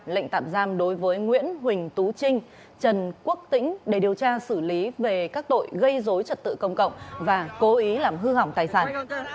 lệnh tạm giam đối với nguyễn huỳnh tú trinh trần quốc tĩnh để điều tra xử lý về các tội gây dối trật tự công cộng và cố ý làm hư hỏng tài sản